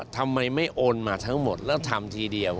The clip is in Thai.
ทำไมไม่โอนมาทั้งหมดแล้วทำทีเดียว